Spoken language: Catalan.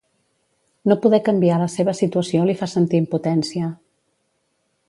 No poder canviar la seva situació li fa sentir impotència.